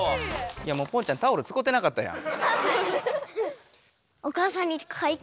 いやもうポンちゃんタオルつこうてなかったやん。